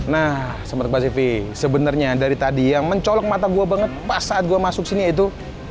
nah sempat mbak sivi sebenarnya dari tadi yang mencolok mata gue banget pas saat gue masuk sini itu